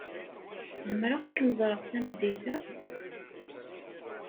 Zemreɣ ad kem-ẓreɣ tameddit-a?